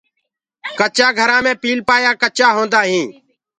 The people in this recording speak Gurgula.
ڪچآ گھرآ مي پيلپآيآ ڪچآ هوندآ هينٚ۔